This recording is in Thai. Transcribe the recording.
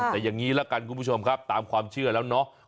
แต่อย่างนี้ละกันคุณผู้ชมครับตามความเชื่อแล้วเนาะ